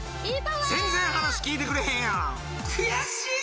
全然話聞いてくれへんやん悔しい！